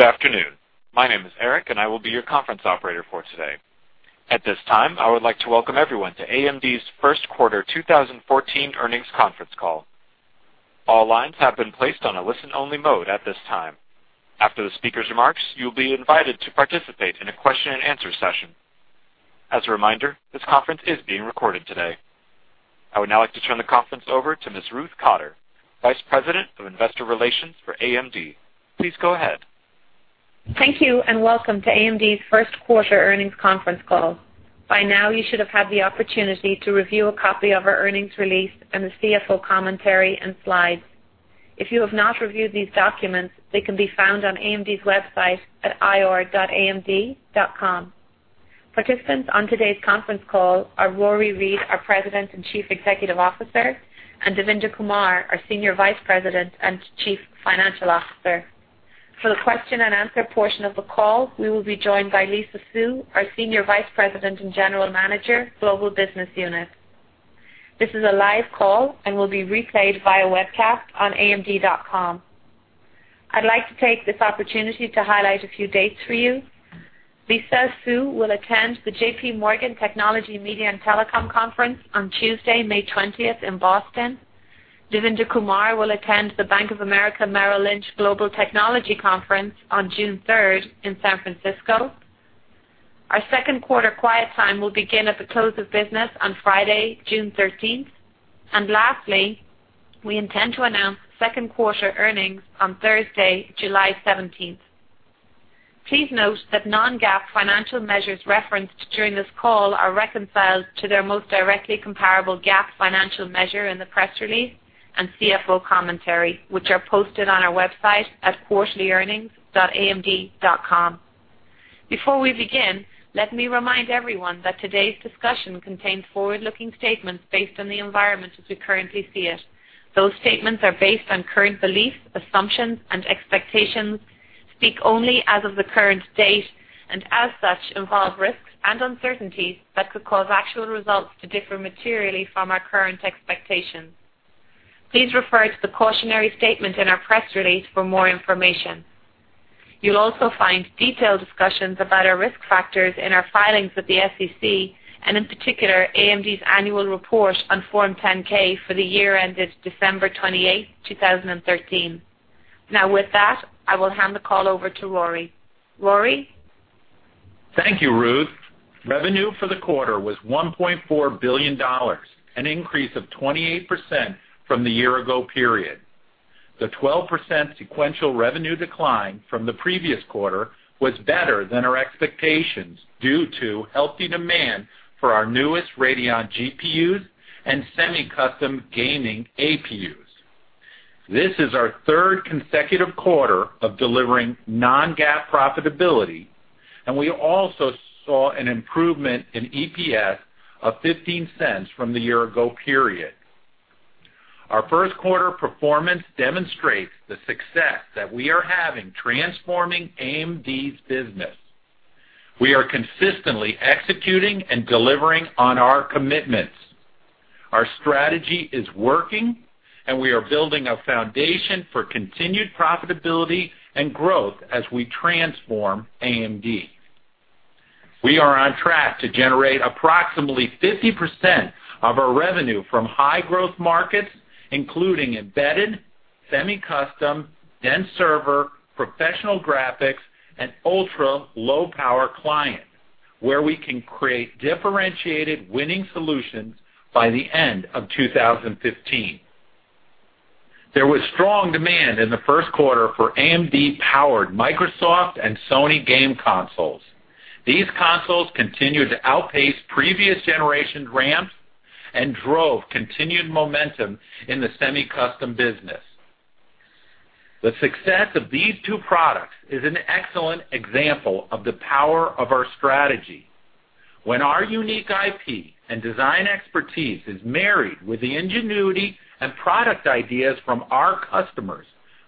Good afternoon. My name is Eric, and I will be your conference operator for today. At this time, I would like to welcome everyone to AMD's first quarter 2014 earnings conference call. All lines have been placed on a listen-only mode at this time. After the speaker's remarks, you will be invited to participate in a question-and-answer session. As a reminder, this conference is being recorded today. I would now like to turn the conference over to Ms. Ruth Cotter, Vice President of Investor Relations for AMD. Please go ahead. Thank you. Welcome to AMD's first quarter earnings conference call. By now you should have had the opportunity to review a copy of our earnings release and the CFO commentary and slides. If you have not reviewed these documents, they can be found on AMD's website at ir.amd.com. Participants on today's conference call are Rory Read, our President and Chief Executive Officer, and Devinder Kumar, our Senior Vice President and Chief Financial Officer. For the question-and-answer portion of the call, we will be joined by Lisa Su, our Senior Vice President and General Manager, Global Business Units. This is a live call and will be replayed via webcast on amd.com. I'd like to take this opportunity to highlight a few dates for you. Lisa Su will attend the JP Morgan Technology Media and Telecom Conference on Tuesday, May 20th, in Boston. Devinder Kumar will attend the Bank of America Merrill Lynch Global Technology Conference on June 3rd in San Francisco. Our second quarter quiet time will begin at the close of business on Friday, June 13th. Lastly, we intend to announce second quarter earnings on Thursday, July 17th. Please note that non-GAAP financial measures referenced during this call are reconciled to their most directly comparable GAAP financial measure in the press release and CFO commentary, which are posted on our website at quarterlyearnings.amd.com. Before we begin, let me remind everyone that today's discussion contains forward-looking statements based on the environment as we currently see it. Those statements are based on current beliefs, assumptions, and expectations, speak only as of the current date, and as such, involve risks and uncertainties that could cause actual results to differ materially from our current expectations. Please refer to the cautionary statement in our press release for more information. You'll also find detailed discussions about our risk factors in our filings with the SEC, and in particular, AMD's annual report on Form 10-K for the year ended December 28th, 2013. With that, I will hand the call over to Rory. Rory? Thank you, Ruth. Revenue for the quarter was $1.4 billion, an increase of 28% from the year-ago period. The 12% sequential revenue decline from the previous quarter was better than our expectations due to healthy demand for our newest Radeon GPUs and semi-custom gaming APUs. This is our third consecutive quarter of delivering non-GAAP profitability, and we also saw an improvement in EPS of $0.15 from the year-ago period. Our first quarter performance demonstrates the success that we are having transforming AMD's business. We are consistently executing and delivering on our commitments. Our strategy is working, and we are building a foundation for continued profitability and growth as we transform AMD. We are on track to generate approximately 50% of our revenue from high-growth markets, including embedded, semi-custom, dense server, professional graphics, and ultra-low-power client, where we can create differentiated winning solutions by the end of 2015. There was strong demand in the first quarter for AMD-powered Microsoft and Sony game consoles. These consoles continued to outpace previous generation ramps and drove continued momentum in the semi-custom business. The success of these two products is an excellent example of the power of our strategy. When our unique IP and design expertise is married with the ingenuity and product ideas from our customers,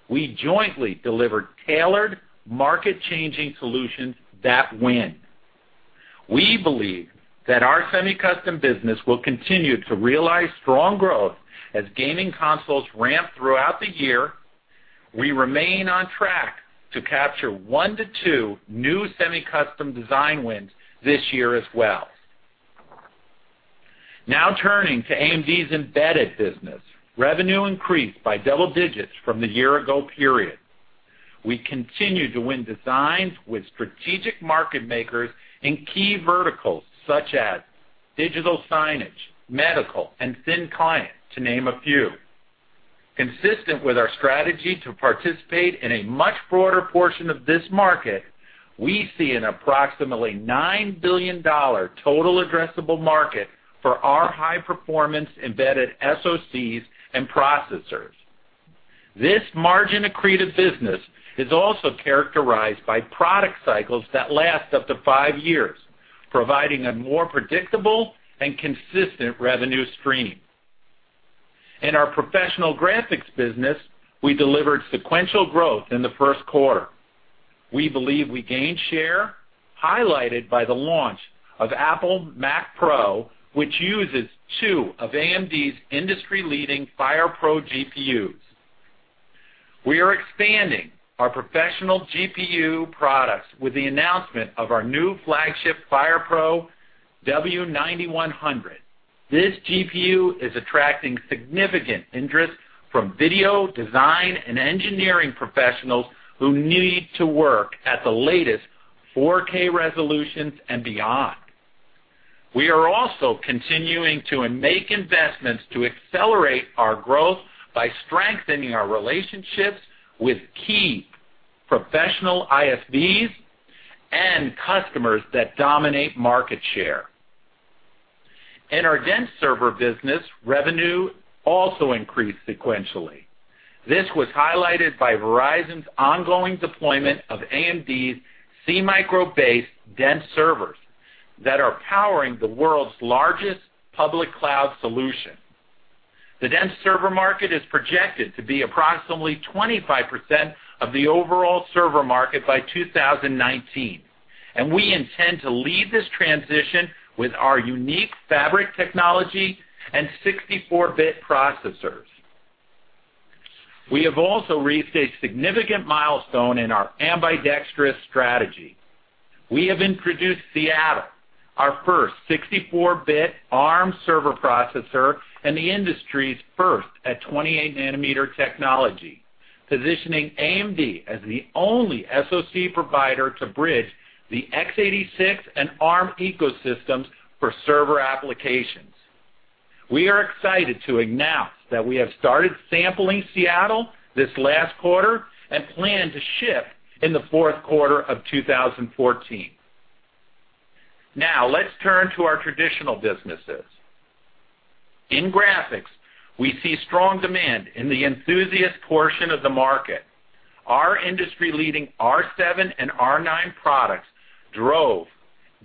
we jointly deliver tailored, market-changing solutions that win. We believe that our semi-custom business will continue to realize strong growth as gaming consoles ramp throughout the year. We remain on track to capture 1 to 2 new semi-custom design wins this year as well. Now turning to AMD's embedded business. Revenue increased by double digits from the year-ago period. We continue to win designs with strategic market makers in key verticals such as digital signage, medical, and thin client, to name a few. Consistent with our strategy to participate in a much broader portion of this market, we see an approximately $9 billion total addressable market for our high-performance embedded SOCs and processors. This margin-accretive business is also characterized by product cycles that last up to five years, providing a more predictable and consistent revenue stream. In our professional graphics business, we delivered sequential growth in the first quarter. We believe we gained share Highlighted by the launch of Apple Mac Pro, which uses two of AMD's industry-leading FirePro GPUs. We are expanding our professional GPU products with the announcement of our new flagship FirePro W9100. This GPU is attracting significant interest from video design and engineering professionals who need to work at the latest 4K resolutions and beyond. We are also continuing to make investments to accelerate our growth by strengthening our relationships with key professional ISVs and customers that dominate market share. In our dense server business, revenue also increased sequentially. This was highlighted by Verizon's ongoing deployment of AMD's SeaMicro-based dense servers that are powering the world's largest public cloud solution. The dense server market is projected to be approximately 25% of the overall server market by 2019. We intend to lead this transition with our unique fabric technology and 64-bit processors. We have also reached a significant milestone in our ambidextrous strategy. We have introduced Seattle, our first 64-bit ARM server processor, and the industry's first at 28 nanometer technology, positioning AMD as the only SoC provider to bridge the x86 and ARM ecosystems for server applications. We are excited to announce that we have started sampling Seattle this last quarter and plan to ship in the fourth quarter of 2014. Let's turn to our traditional businesses. In graphics, we see strong demand in the enthusiast portion of the market. Our industry-leading R7 and R9 products drove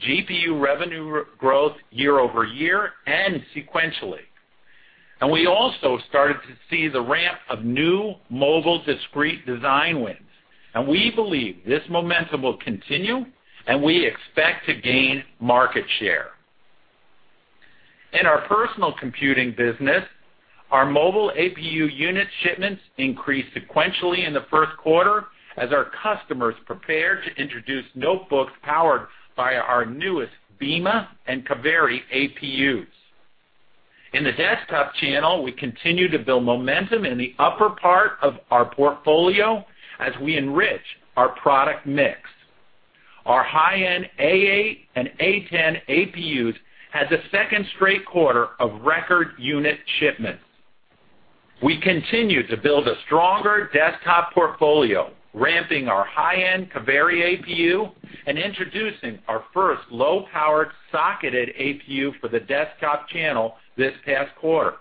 GPU revenue growth year-over-year and sequentially. We also started to see the ramp of new mobile discrete design wins. We believe this momentum will continue, and we expect to gain market share. In our personal computing business, our mobile APU unit shipments increased sequentially in the first quarter as our customers prepared to introduce notebooks powered by our newest Beema and Kaveri APUs. In the desktop channel, we continue to build momentum in the upper part of our portfolio as we enrich our product mix. Our high-end A8 and A10 APUs had the second straight quarter of record unit shipments. We continue to build a stronger desktop portfolio, ramping our high-end Kaveri APU and introducing our first low-powered socketed APU for the desktop channel this past quarter.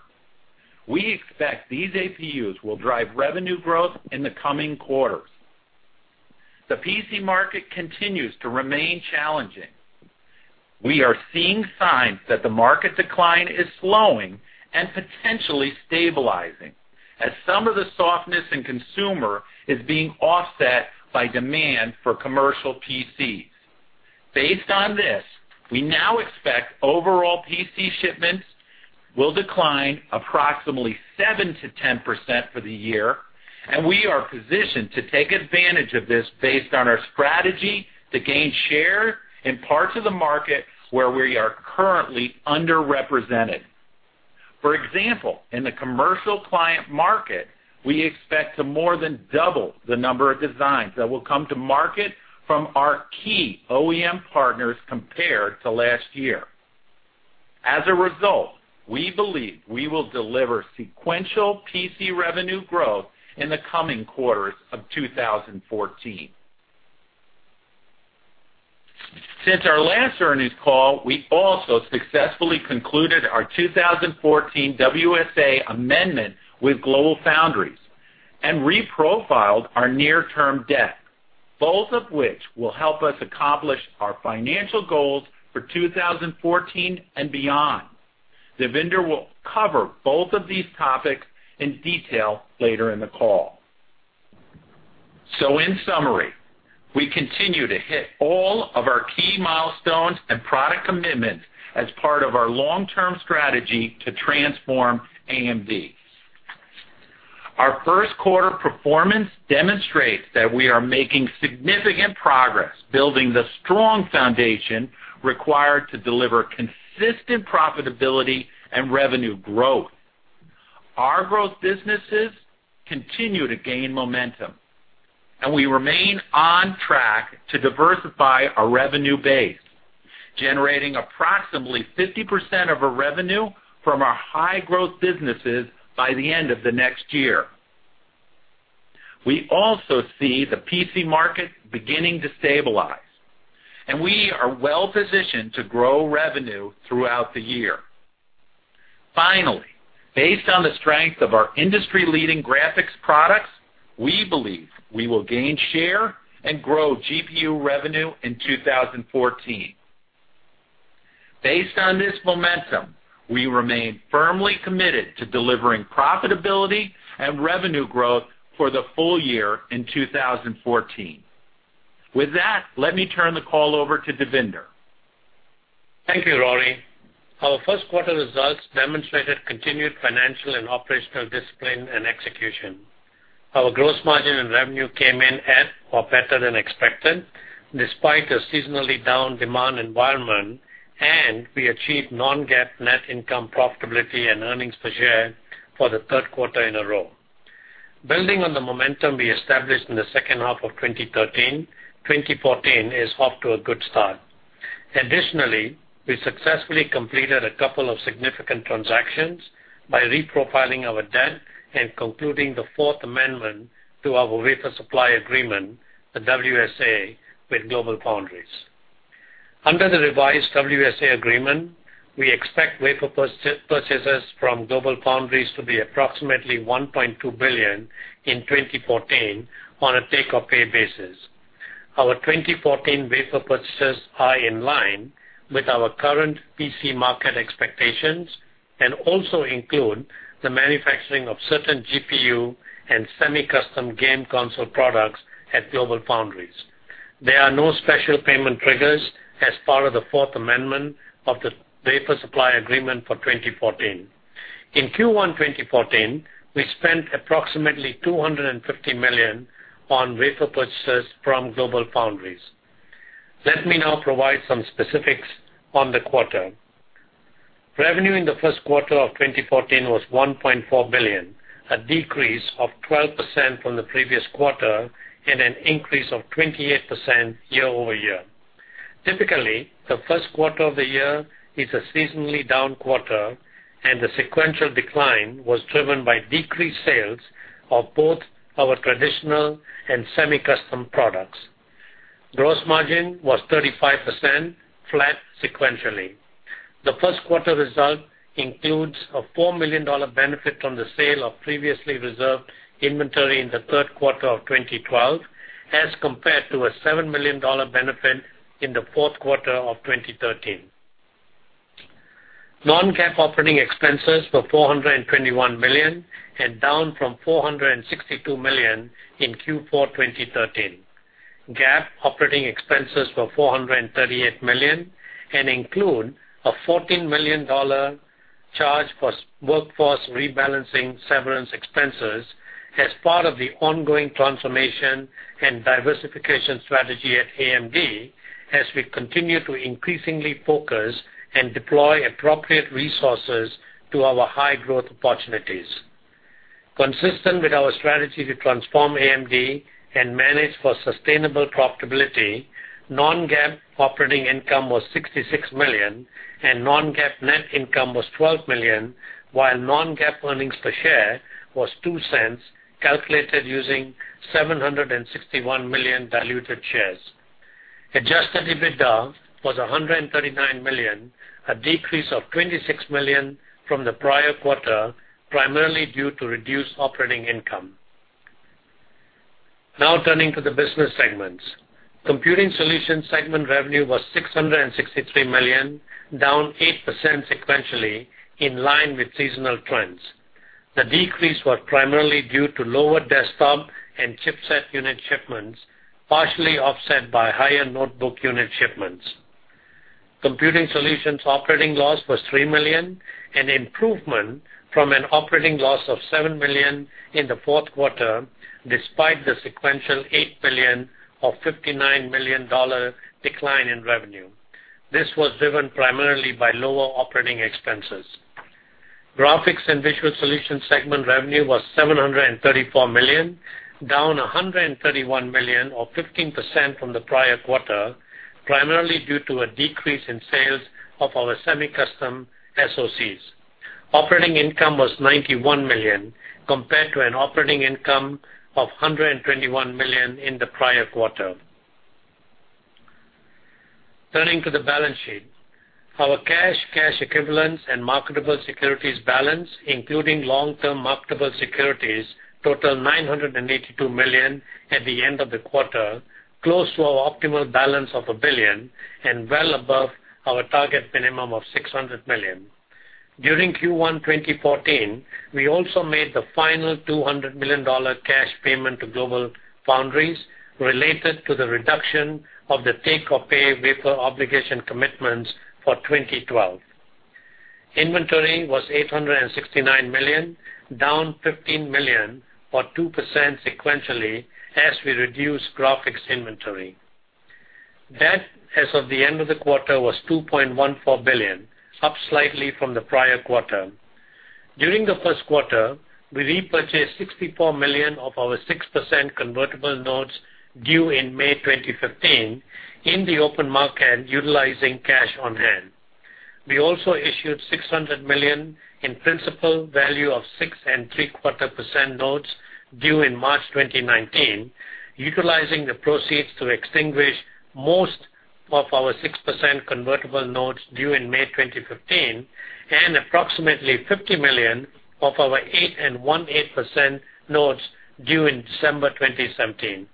We expect these APUs will drive revenue growth in the coming quarters. The PC market continues to remain challenging. We are seeing signs that the market decline is slowing and potentially stabilizing, as some of the softness in consumer is being offset by demand for commercial PCs. Based on this, we now expect overall PC shipments will decline approximately 7%-10% for the year, we are positioned to take advantage of this based on our strategy to gain share in parts of the market where we are currently underrepresented. For example, in the commercial client market, we expect to more than double the number of designs that will come to market from our key OEM partners compared to last year. As a result, we believe we will deliver sequential PC revenue growth in the coming quarters of 2014. Since our last earnings call, we also successfully concluded our 2014 WSA amendment with GlobalFoundries and reprofiled our near-term debt, both of which will help us accomplish our financial goals for 2014 and beyond. Devinder will cover both of these topics in detail later in the call. In summary, we continue to hit all of our key milestones and product commitments as part of our long-term strategy to transform AMD. Our first quarter performance demonstrates that we are making significant progress building the strong foundation required to deliver consistent profitability and revenue growth. Our growth businesses continue to gain momentum, we remain on track to diversify our revenue base, generating approximately 50% of our revenue from our high-growth businesses by the end of the next year. We also see the PC market beginning to stabilize, we are well-positioned to grow revenue throughout the year. Finally, based on the strength of our industry-leading graphics products, we believe we will gain share and grow GPU revenue in 2014. Based on this momentum, we remain firmly committed to delivering profitability and revenue growth for the full year in 2014. With that, let me turn the call over to Devinder. Thank you, Rory. Our first quarter results demonstrated continued financial and operational discipline and execution. Our gross margin and revenue came in at or better than expected, despite a seasonally down demand environment. We achieved non-GAAP net income profitability and earnings per share for the third quarter in a row. Building on the momentum we established in the second half of 2013, 2014 is off to a good start. Additionally, we successfully completed a couple of significant transactions by reprofiling our debt and concluding the fourth amendment to our wafer supply agreement, the WSA, with GlobalFoundries. Under the revised WSA agreement, we expect wafer purchases from GlobalFoundries to be approximately $1.2 billion in 2014 on a take-or-pay basis. Our 2014 wafer purchases are in line with our current PC market expectations. Also include the manufacturing of certain GPU and semi-custom game console products at GlobalFoundries. There are no special payment triggers as part of the fourth amendment of the wafer supply agreement for 2014. In Q1 2014, we spent approximately $250 million on wafer purchases from GlobalFoundries. Let me now provide some specifics on the quarter. Revenue in the first quarter of 2014 was $1.4 billion, a decrease of 12% from the previous quarter. An increase of 28% year-over-year. Typically, the first quarter of the year is a seasonally down quarter, and the sequential decline was driven by decreased sales of both our traditional and semi-custom products. Gross margin was 35%, flat sequentially. The first quarter result includes a $4 million benefit from the sale of previously reserved inventory in the third quarter of 2012, as compared to a $7 million benefit in the fourth quarter of 2013. Non-GAAP operating expenses were $421 million. Down from $462 million in Q4 2013. GAAP operating expenses were $438 million. Include a $14 million charge for workforce rebalancing severance expenses as part of the ongoing transformation and diversification strategy at AMD, as we continue to increasingly focus and deploy appropriate resources to our high-growth opportunities. Consistent with our strategy to transform AMD and manage for sustainable profitability, non-GAAP operating income was $66 million. Non-GAAP net income was $12 million, while non-GAAP earnings per share was $0.02, calculated using 761 million diluted shares. Adjusted EBITDA was $139 million, a decrease of $26 million from the prior quarter, primarily due to reduced operating income. Now turning to the business segments. Computing Solutions segment revenue was $663 million, down 8% sequentially, in line with seasonal trends. The decrease was primarily due to lower desktop and chipset unit shipments, partially offset by higher notebook unit shipments. Computing Solutions operating loss was $3 million, an improvement from an operating loss of $7 million in the fourth quarter, despite the sequential $8 million or $59 million decline in revenue. This was driven primarily by lower operating expenses. Graphics and Visual Solutions segment revenue was $734 million, down $131 million or 15% from the prior quarter, primarily due to a decrease in sales of our semi-custom SOCs. Operating income was $91 million compared to an operating income of $121 million in the prior quarter. Turning to the balance sheet. Our cash equivalents, and marketable securities balance, including long-term marketable securities, totaled $982 million at the end of the quarter, close to our optimal balance of $1 billion and well above our target minimum of $600 million. During Q1 2014, we also made the final $200 million cash payment to GlobalFoundries related to the reduction of the take-or-pay wafer obligation commitments for 2012. Inventory was $869 million, down $15 million or 2% sequentially as we reduced graphics inventory. Debt as of the end of the quarter was $2.14 billion, up slightly from the prior quarter. During the first quarter, we repurchased $64 million of our 6% convertible notes due in May 2015 in the open market utilizing cash on hand. We also issued $600 million in principal value of 6.75% notes due in March 2019, utilizing the proceeds to extinguish most of our 6% convertible notes due in May 2015 and approximately $50 million of our 8.125% notes due in December 2017.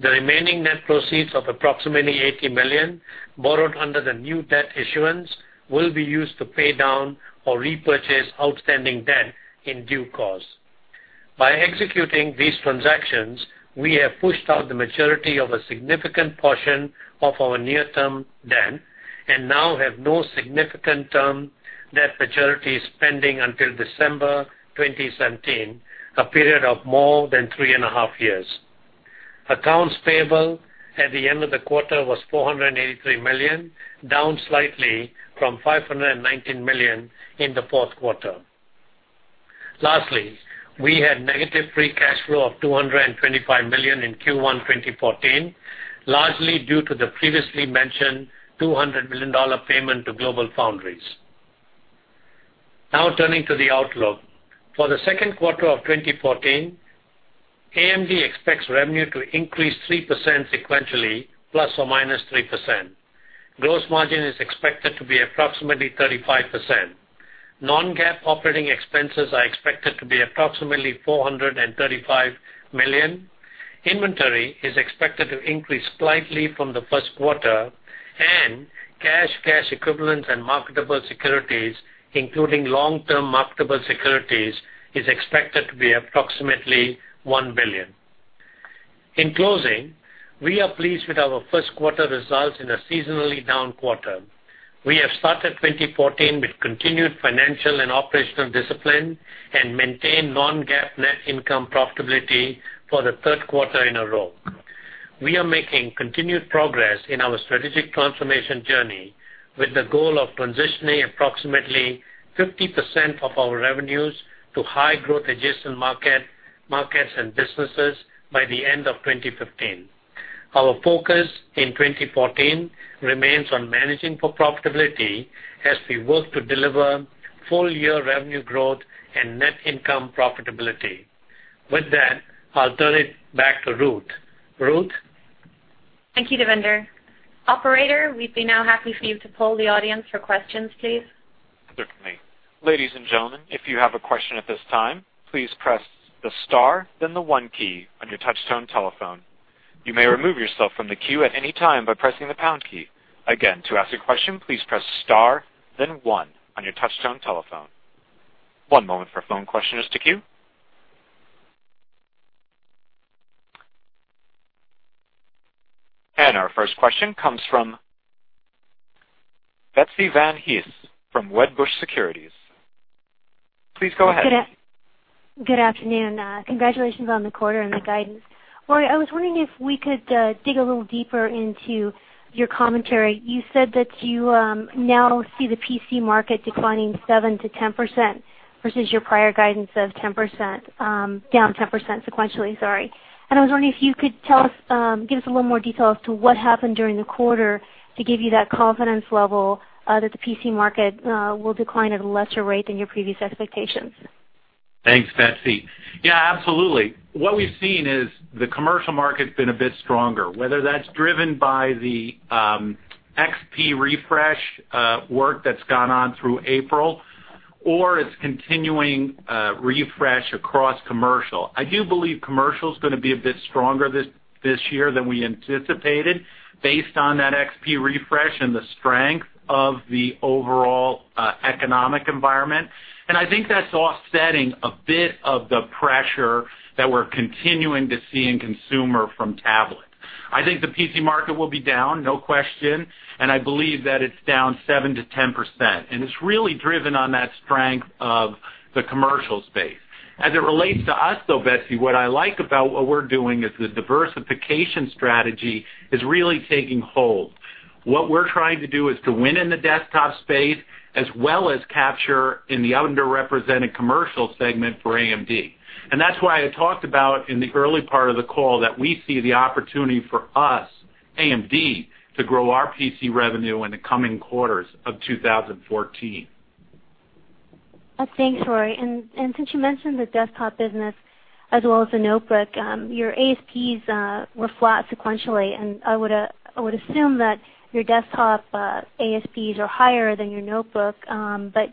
The remaining net proceeds of approximately $80 million borrowed under the new debt issuance will be used to pay down or repurchase outstanding debt in due course. By executing these transactions, we have pushed out the maturity of a significant portion of our near-term debt and now have no significant term debt maturities pending until December 2017, a period of more than three and a half years. Accounts payable at the end of the quarter was $483 million, down slightly from $519 million in the fourth quarter. Lastly, we had negative free cash flow of $225 million in Q1 2014, largely due to the previously mentioned $200 million payment to GlobalFoundries. Now turning to the outlook. For the second quarter of 2014, AMD expects revenue to increase 3% sequentially, ±3%. Gross margin is expected to be approximately 35%. Non-GAAP operating expenses are expected to be approximately $435 million. Inventory is expected to increase slightly from the first quarter, and cash equivalents, and marketable securities, including long-term marketable securities, is expected to be approximately $1 billion. In closing, we are pleased with our first quarter results in a seasonally down quarter. We have started 2014 with continued financial and operational discipline and maintained non-GAAP net income profitability for the third quarter in a row. We are making continued progress in our strategic transformation journey with the goal of transitioning approximately 50% of our revenues to high-growth adjacent markets and businesses by the end of 2015. Our focus in 2014 remains on managing for profitability as we work to deliver full-year revenue growth and net income profitability. With that, I'll turn it back to Ruth. Ruth? Thank you, Devinder. Operator, we'd be now happy for you to poll the audience for questions, please. Certainly. Ladies and gentlemen, if you have a question at this time, please press the star, then the one key on your touch tone telephone. You may remove yourself from the queue at any time by pressing the pound key. Again, to ask a question, please press star then one on your touch tone telephone. One moment for phone questioners to queue. Our first question comes from Betsy Van Hees from Wedbush Securities. Please go ahead. Good afternoon. Congratulations on the quarter and the guidance. Rory, I was wondering if we could dig a little deeper into your commentary. You said that you now see the PC market declining 7%-10% versus your prior guidance of down 10% sequentially, sorry. I was wondering if you could give us a little more detail as to what happened during the quarter to give you that confidence level that the PC market will decline at a lesser rate than your previous expectations. Thanks, Betsy. Yeah, absolutely. What we've seen is the commercial market's been a bit stronger. Whether that's driven by the XP refresh work that's gone on through April, or it's continuing refresh across commercial. I do believe commercial's going to be a bit stronger this year than we anticipated based on that XP refresh and the strength of the overall economic environment. I think that's offsetting a bit of the pressure that we're continuing to see in consumer from tablet. I think the PC market will be down, no question, and I believe that it's down 7%-10%, and it's really driven on that strength of the commercial space. As it relates to us, though, Betsy, what I like about what we're doing is the diversification strategy is really taking hold. What we're trying to do is to win in the desktop space, as well as capture in the underrepresented commercial segment for AMD. That's why I talked about in the early part of the call that we see the opportunity for us, AMD, to grow our PC revenue in the coming quarters of 2014. Thanks, Rory. Since you mentioned the desktop business as well as the notebook, your ASPs were flat sequentially. I would assume that your desktop ASPs are higher than your notebook,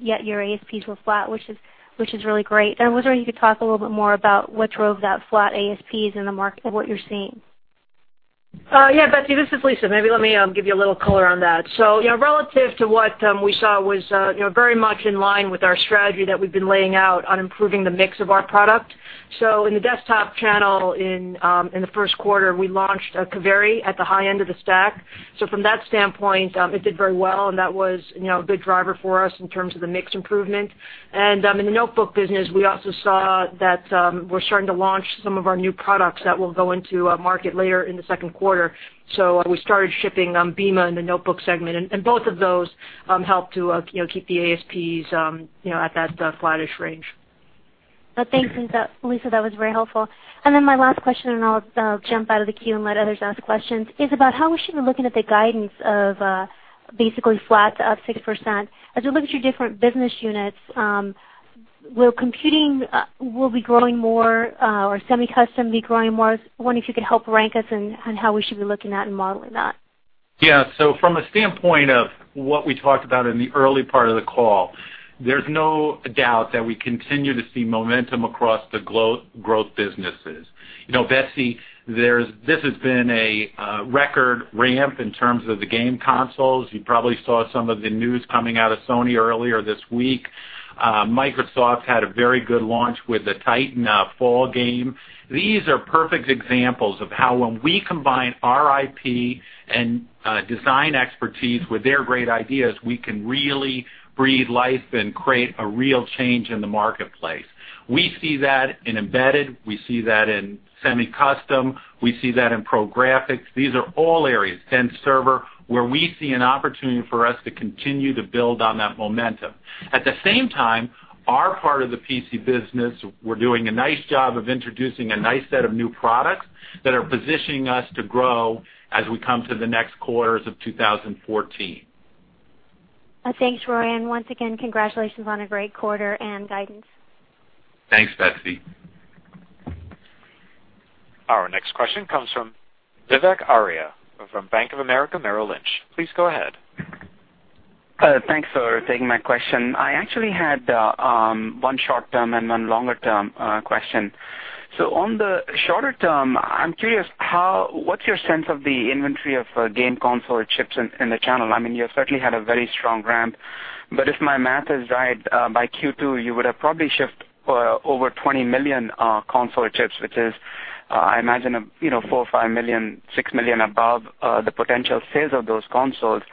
yet your ASPs were flat, which is really great. I was wondering if you could talk a little bit more about what drove that flat ASPs in the market and what you're seeing. Yeah, Betsy, this is Lisa. Maybe let me give you a little color on that. Relative to what we saw was very much in line with our strategy that we've been laying out on improving the mix of our product. In the desktop channel in the first quarter, we launched Kaveri at the high end of the stack. From that standpoint, it did very well, that was a good driver for us in terms of the mix improvement. In the notebook business, we also saw that we're starting to launch some of our new products that will go into market later in the second quarter. We started shipping on Beema in the notebook segment, both of those help to keep the ASPs at that flattish range. Thanks, Lisa. That was very helpful. Then my last question, I'll jump out of the queue and let others ask questions, is about how we should be looking at the guidance of basically flat to up 6%. As we look at your different business units, will computing be growing more or semi-custom be growing more? I was wondering if you could help rank us on how we should be looking at and modeling that. Yeah. From a standpoint of what we talked about in the early part of the call, there's no doubt that we continue to see momentum across the growth businesses. Betsy, this has been a record ramp in terms of the game consoles. You probably saw some of the news coming out of Sony earlier this week. Microsoft had a very good launch with the Titanfall game. These are perfect examples of how when we combine our IP and design expertise with their great ideas, we can really breathe life and create a real change in the marketplace. We see that in embedded, we see that in semi-custom, we see that in ProGraphics. These are all areas, and server, where we see an opportunity for us to continue to build on that momentum. At the same time, our part of the PC business, we're doing a nice job of introducing a nice set of new products that are positioning us to grow as we come to the next quarters of 2014. Thanks, Rory, and once again, congratulations on a great quarter and guidance. Thanks, Betsy. Our next question comes from Vivek Arya from Bank of America Merrill Lynch. Please go ahead. Thanks for taking my question. I actually had one short-term and one longer-term question. On the shorter term, I'm curious, what's your sense of the inventory of game console chips in the channel? You certainly had a very strong ramp, but if my math is right, by Q2, you would have probably shipped over 20 million console chips, which is, I imagine, four, five million, six million above the potential sales of those consoles.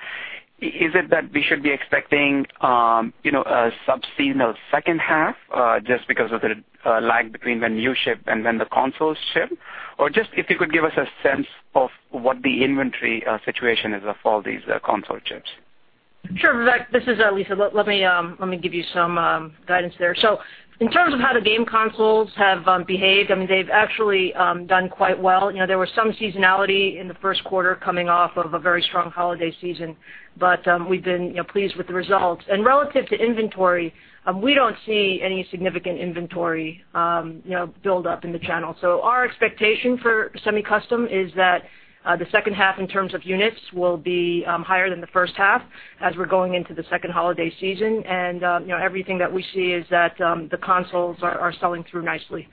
Is it that we should be expecting a sub-seasonal second half just because of the lag between when you ship and when the consoles ship? Just if you could give us a sense of what the inventory situation is for these console chips. Sure, Vivek. This is Lisa. Let me give you some guidance there. In terms of how the game consoles have behaved, they've actually done quite well. There was some seasonality in the first quarter coming off of a very strong holiday season, we've been pleased with the results. Relative to inventory, we don't see any significant inventory buildup in the channel. Our expectation for semi-custom is that the second half in terms of units will be higher than the first half as we're going into the second holiday season, everything that we see is that the consoles are selling through nicely.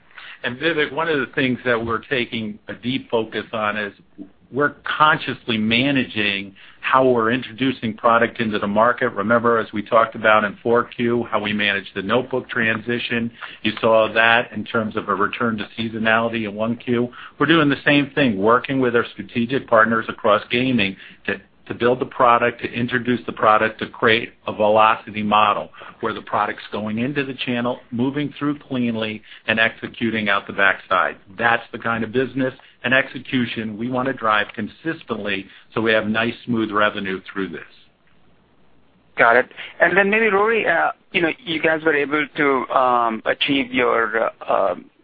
Vivek, one of the things that we're taking a deep focus on is we're consciously managing how we're introducing product into the market. Remember, as we talked about in 4Q, how we managed the notebook transition. You saw that in terms of a return to seasonality in 1Q. We're doing the same thing, working with our strategic partners across gaming to build the product, to introduce the product, to create a velocity model, where the product's going into the channel, moving through cleanly, and executing out the backside. That's the kind of business and execution we want to drive consistently so we have nice, smooth revenue through this. Got it. Maybe, Rory, you guys were able to achieve your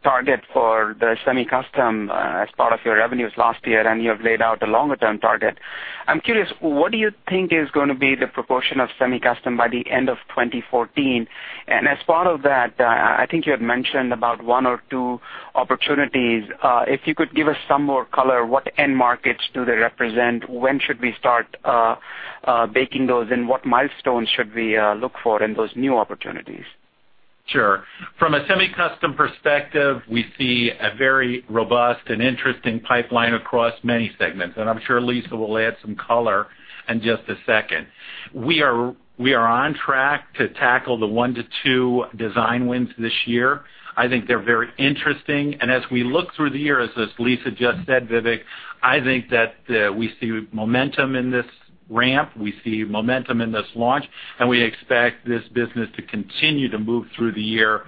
target for the semi-custom as part of your revenues last year, you have laid out a longer-term target. I'm curious, what do you think is going to be the proportion of semi-custom by the end of 2014? As part of that, I think you had mentioned about one or two opportunities. If you could give us some more color, what end markets do they represent? When should we start baking those in? What milestones should we look for in those new opportunities? Sure. From a semi-custom perspective, we see a very robust and interesting pipeline across many segments, I'm sure Lisa will add some color in just a second. We are on track to tackle the one to two design wins this year. I think they're very interesting, as we look through the year, as Lisa just said, Vivek, I think that we see momentum in this ramp, we see momentum in this launch, we expect this business to continue to move through the year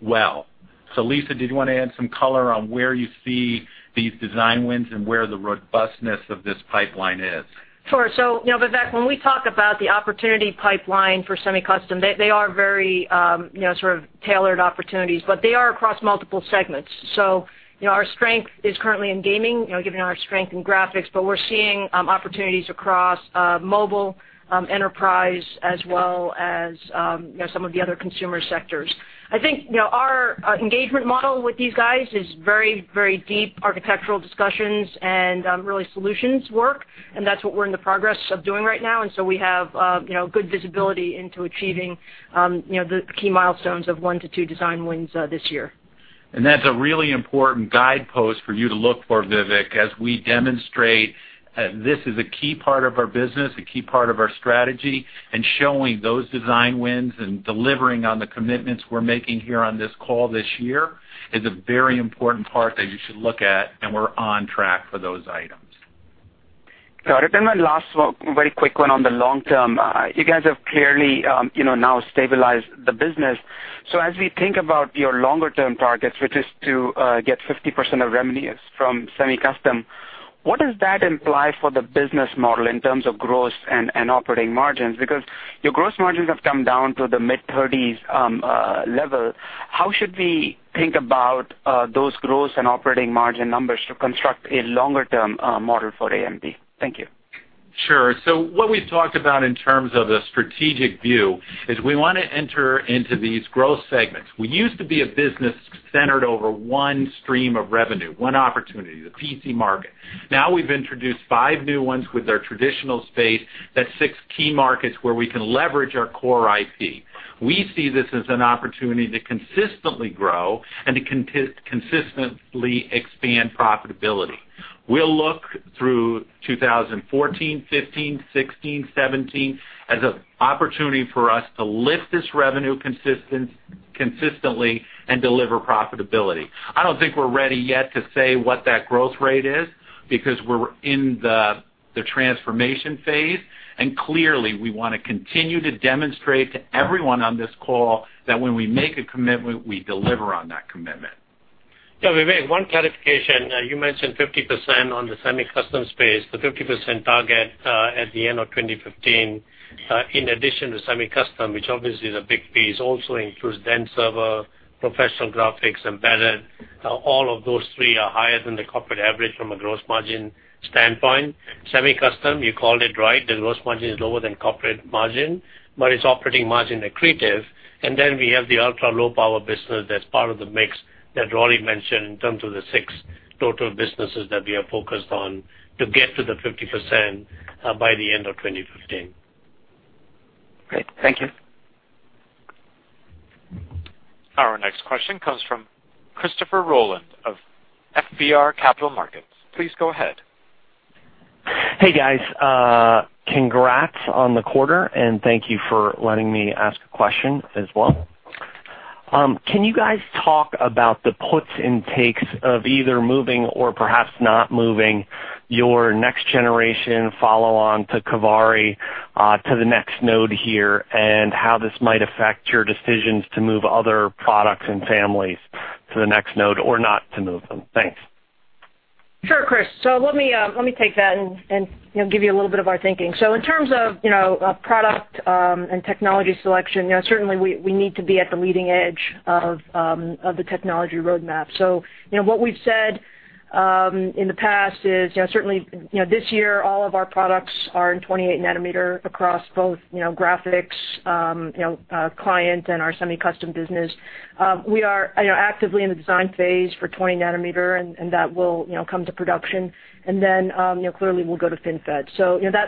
well. Lisa, did you want to add some color on where you see these design wins and where the robustness of this pipeline is? Sure. Vivek, when we talk about the opportunity pipeline for semi-custom, they are very tailored opportunities, they are across multiple segments. Our strength is currently in gaming, given our strength in graphics, we're seeing opportunities across mobile, enterprise, as well as some of the other consumer sectors. I think our engagement model with these guys is very deep architectural discussions and really solutions work, that's what we're in the progress of doing right now. We have good visibility into achieving the key milestones of one to two design wins this year. That's a really important guidepost for you to look for, Vivek, as we demonstrate this is a key part of our business, a key part of our strategy, showing those design wins and delivering on the commitments we're making here on this call this year is a very important part that you should look at, we're on track for those items. My last very quick one on the long term. You guys have clearly now stabilized the business. As we think about your longer-term targets, which is to get 50% of revenues from semi-custom, what does that imply for the business model in terms of gross and operating margins? Because your gross margins have come down to the mid-30s level. How should we think about those gross and operating margin numbers to construct a longer-term model for AMD? Thank you. Sure. What we've talked about in terms of the strategic view is we want to enter into these growth segments. We used to be a business centered over one stream of revenue, one opportunity, the PC market. Now we've introduced five new ones with our traditional space. That's six key markets where we can leverage our core IP. We see this as an opportunity to consistently grow and to consistently expand profitability. We'll look through 2014, 2015, 2016, 2017 as an opportunity for us to lift this revenue consistently and deliver profitability. I don't think we're ready yet to say what that growth rate is, because we're in the transformation phase, and clearly, we want to continue to demonstrate to everyone on this call that when we make a commitment, we deliver on that commitment. Vivek, one clarification. You mentioned 50% on the semi-custom space, the 50% target at the end of 2015. In addition to semi-custom, which obviously is a big piece, also includes dense server, professional graphics, embedded. All of those three are higher than the corporate average from a gross margin standpoint. Semi-custom, you called it right, the gross margin is lower than corporate margin, but it's operating margin accretive. We have the ultra-low power business that's part of the mix that Rory mentioned in terms of the six total businesses that we are focused on to get to the 50% by the end of 2015. Great. Thank you. Our next question comes from Christopher Rolland of FBR Capital Markets. Please go ahead. Hey, guys. Congrats on the quarter, thank you for letting me ask a question as well. Can you guys talk about the puts and takes of either moving or perhaps not moving your next generation follow-on to Kaveri to the next node here, how this might affect your decisions to move other products and families to the next node or not to move them? Thanks. Sure, Chris. Let me take that and give you a little bit of our thinking. In terms of product and technology selection, certainly we need to be at the leading edge of the technology roadmap. What we've said in the past is, certainly, this year, all of our products are in 28 nanometer across both graphics, client, and our semi-custom business. We are actively in the design phase for 20 nanometer, that will come to production. Then, clearly, we'll go to FinFET.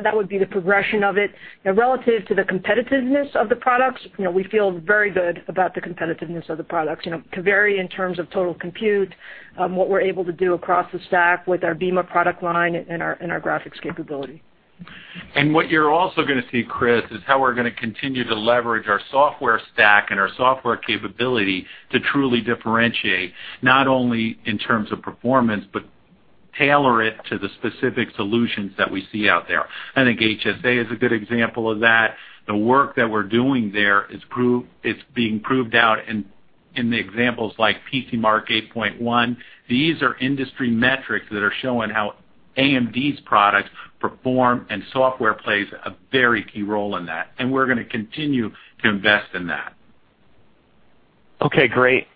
That would be the progression of it. Relative to the competitiveness of the products, we feel very good about the competitiveness of the products. Kaveri, in terms of total compute, what we're able to do across the stack with our Beema product line and our graphics capability. What you're also going to see, Chris, is how we're going to continue to leverage our software stack and our software capability to truly differentiate not only in terms of performance, but tailor it to the specific solutions that we see out there. I think HSA is a good example of that. The work that we're doing there is being proved out in the examples like PCMark 8. These are industry metrics that are showing how AMD's products perform, software plays a very key role in that, we're going to continue to invest in that. Okay, great.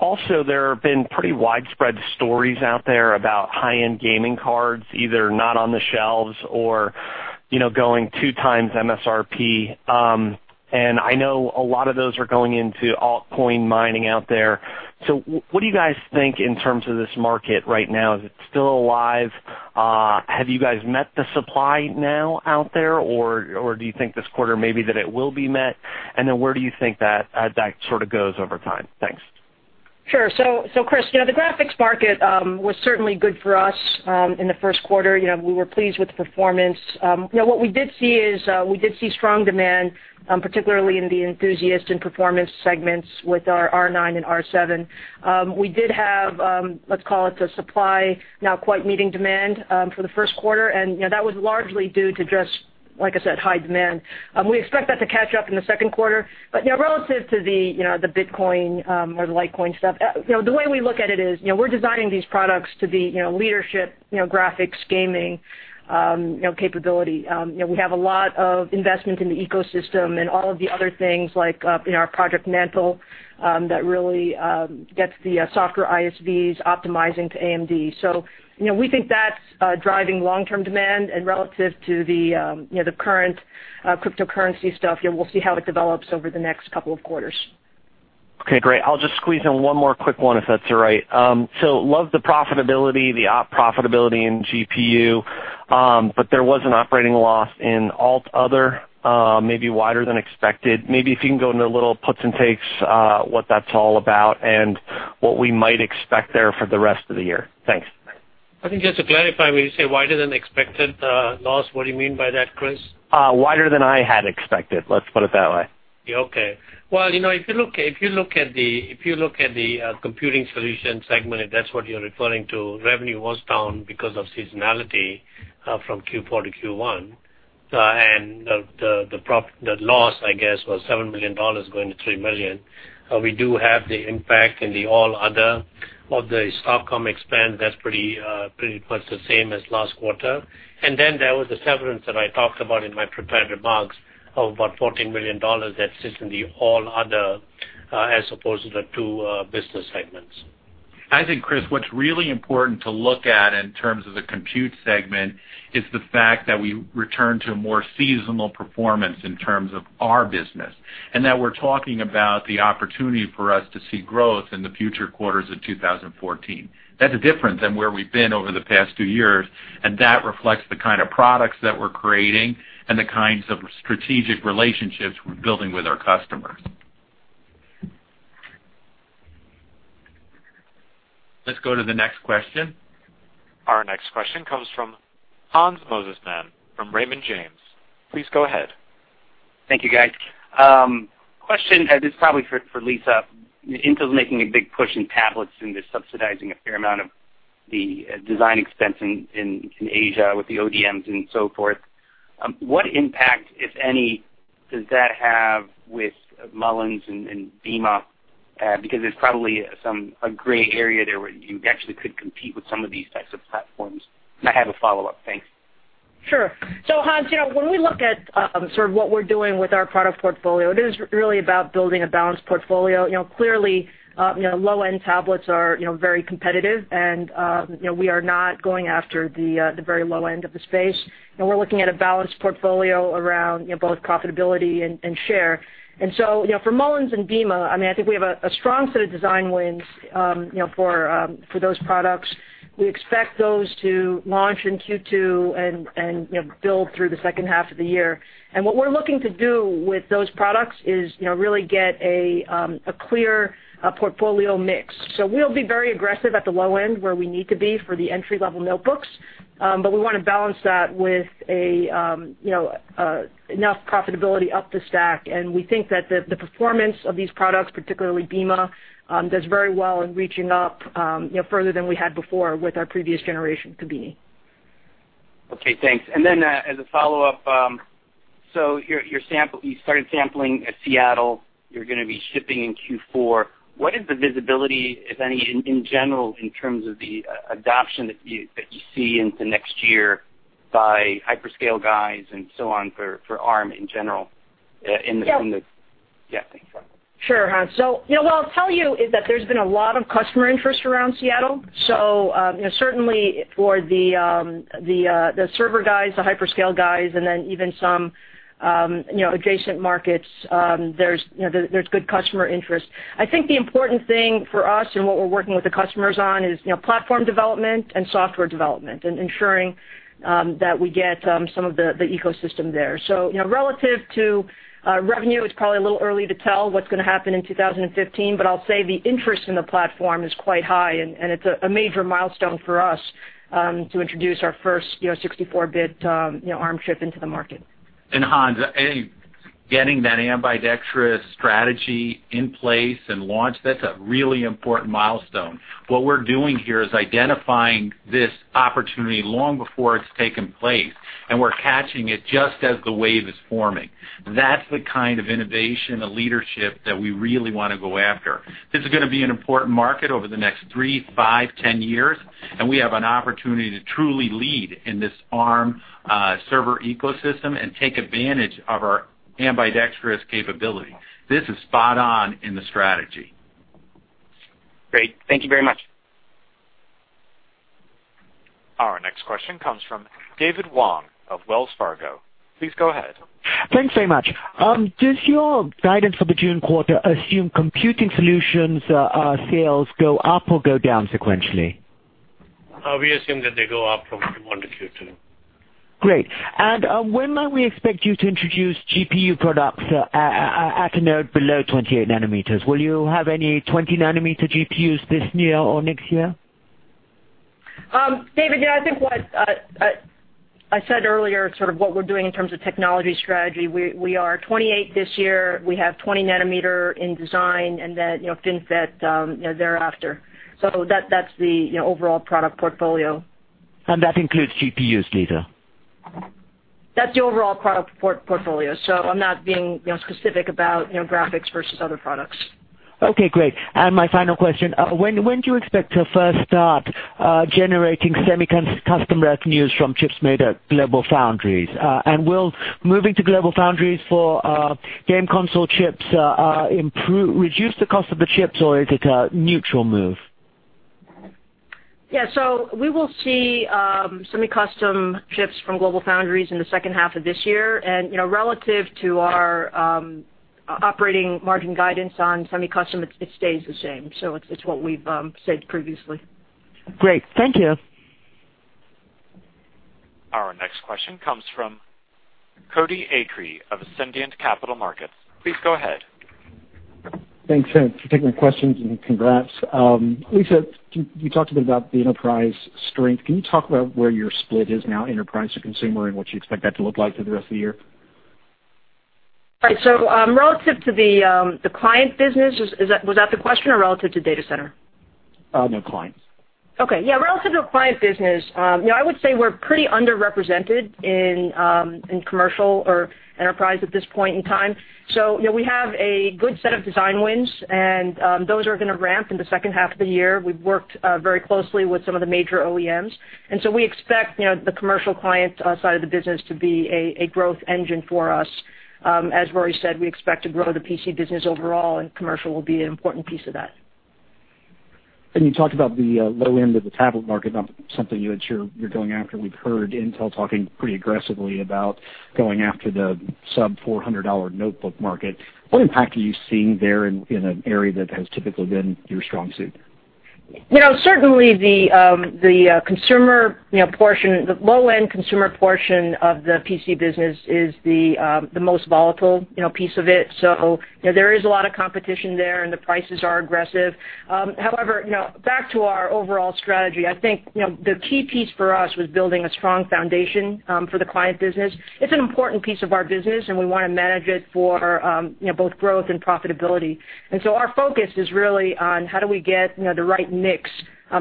Also, there have been pretty widespread stories out there about high-end gaming cards, either not on the shelves or going 2 times MSRP. I know a lot of those are going into altcoin mining out there. What do you guys think in terms of this market right now? Is it still alive? Have you guys met the supply now out there, or do you think this quarter maybe that it will be met? Where do you think that sort of goes over time? Thanks. Sure. Chris, the graphics market was certainly good for us in the first quarter. We were pleased with the performance. What we did see is we did see strong demand, particularly in the enthusiast and performance segments with our R9 and R7. We did have, let's call it the supply now quite meeting demand for the first quarter, and that was largely due to just, like I said, high demand. We expect that to catch up in the second quarter. Relative to the Bitcoin or the Litecoin stuff, the way we look at it is, we're designing these products to be leadership graphics gaming capability. We have a lot of investment in the ecosystem and all of the other things like in our Project Mantle that really gets the software ISVs optimizing to AMD. We think that's driving long-term demand and relative to the current cryptocurrency stuff, we'll see how it develops over the next couple of quarters. Okay, great. I'll just squeeze in one more quick one, if that's all right. Love the profitability, the op profitability in GPU, but there was an operating loss in all other, maybe wider than expected. Maybe if you can go into a little puts and takes, what that's all about and what we might expect there for the rest of the year. Thanks. I think just to clarify, when you say wider than expected loss, what do you mean by that, Chris? Wider than I had expected, let's put it that way. Okay. Well, if you look at the computing solution segment, if that's what you're referring to, revenue was down because of seasonality from Q4 to Q1. The loss, I guess, was $7 million going to $3 million. We do have the impact in the all other of the stock comp expense. That's pretty much the same as last quarter. There was the severance that I talked about in my prepared remarks of about $14 million that sits in the all other as opposed to the two business segments. I think, Chris, what's really important to look at in terms of the compute segment is the fact that we return to a more seasonal performance in terms of our business, that we're talking about the opportunity for us to see growth in the future quarters of 2014. That's different than where we've been over the past two years, that reflects the kind of products that we're creating and the kinds of strategic relationships we're building with our customers. Let's go to the next question. Our next question comes from Hans Mosesmann from Raymond James. Please go ahead. Thank you, guys. Question, this is probably for Lisa. Intel's making a big push in tablets and is subsidizing a fair amount of the design expense in Asia with the ODMs and so forth. What impact, if any, does that have with Mullins and Beema? Because there's probably a gray area there where you actually could compete with some of these types of platforms. I have a follow-up. Thanks. Sure. Hans, when we look at sort of what we're doing with our product portfolio, it is really about building a balanced portfolio. Clearly, low-end tablets are very competitive and we are not going after the very low end of the space. We're looking at a balanced portfolio around both profitability and share. For Mullins and Beema, I think we have a strong set of design wins for those products. We expect those to launch in Q2 and build through the second half of the year. What we're looking to do with those products is really get a clear portfolio mix. We'll be very aggressive at the low end where we need to be for the entry-level notebooks. We want to balance that with enough profitability up the stack, and we think that the performance of these products, particularly Beema, does very well in reaching up further than we had before with our previous generation Kabini. Okay, thanks. As a follow-up, you started sampling at Seattle, you're going to be shipping in Q4. What is the visibility, if any, in general, in terms of the adoption that you see into next year by hyperscale guys and so on for ARM in general? Yeah, thanks. Sure, Hans. What I'll tell you is that there's been a lot of customer interest around Seattle. Certainly for the server guys, the hyperscale guys, and then even some adjacent markets, there's good customer interest. I think the important thing for us and what we're working with the customers on is platform development and software development, and ensuring that we get some of the ecosystem there. Relative to revenue, it's probably a little early to tell what's going to happen in 2015, but I'll say the interest in the platform is quite high, and it's a major milestone for us to introduce our first 64-bit ARM chip into the market. Hans, getting that ambidextrous strategy in place and launched, that's a really important milestone. What we're doing here is identifying this opportunity long before it's taken place, and we're catching it just as the wave is forming. That's the kind of innovation, the leadership that we really want to go after. This is going to be an important market over the next three, five, 10 years, and we have an opportunity to truly lead in this ARM server ecosystem and take advantage of our ambidextrous capability. This is spot on in the strategy. Great. Thank you very much. Our next question comes from David Wong of Wells Fargo. Please go ahead. Thanks very much. Does your guidance for the June quarter assume computing solutions sales go up or go down sequentially? We assume that they go up from Q1 to Q2. Great. When might we expect you to introduce GPU products at a node below 28 nanometers? Will you have any 20-nanometer GPUs this year or next year? David, I think what I said earlier, sort of what we're doing in terms of technology strategy, we are 28 this year. We have 20 nanometer in design and then FinFET thereafter. That's the overall product portfolio. That includes GPUs, Lisa? That's the overall product portfolio, so I'm not being specific about graphics versus other products. Okay, great. My final question, when do you expect to first start generating semi-custom revenues from chips made at GlobalFoundries? Will moving to GlobalFoundries for game console chips reduce the cost of the chips, or is it a neutral move? Yeah. We will see semi-custom chips from GlobalFoundries in the second half of this year, and relative to our operating margin guidance on semi-custom, it stays the same. It's what we've said previously. Great. Thank you. Our next question comes from Cody Acree of Ascendiant Capital Markets. Please go ahead. Thanks, and for taking the questions, and congrats. Lisa, you talked a bit about the enterprise strength. Can you talk about where your split is now, enterprise to consumer, and what you expect that to look like for the rest of the year? Relative to the client business, was that the question, or relative to data center? No, client. Okay. Yeah, relative to client business, I would say we're pretty underrepresented in commercial or enterprise at this point in time. We have a good set of design wins, and those are going to ramp in the second half of the year. We've worked very closely with some of the major OEMs, we expect the commercial client side of the business to be a growth engine for us. As Rory said, we expect to grow the PC business overall, and commercial will be an important piece of that. You talked about the low end of the tablet market, about something that you're going after. We've heard Intel talking pretty aggressively about going after the sub-$400 notebook market. What impact are you seeing there in an area that has typically been your strong suit? Certainly, the low-end consumer portion of the PC business is the most volatile piece of it. There is a lot of competition there, and the prices are aggressive. However, back to our overall strategy. I think the key piece for us was building a strong foundation for the client business. It's an important piece of our business, and we want to manage it for both growth and profitability. Our focus is really on how do we get the right mix